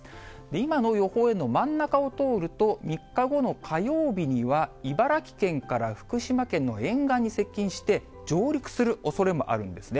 今の予報円の真ん中を通ると、３日後の火曜日には茨城県から福島県の沿岸に接近して、上陸するおそれもあるんですね。